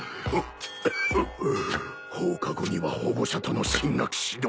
放課後には保護者との進学指導がある。